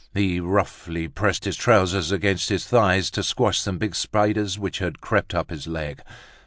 He roughly pressed his trousers against his thigh to squash some big spiders which had crept up his leg.